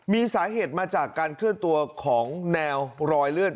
มีสาเหตุมาจากการเคลื่อนตัวของแนวรอยเลือด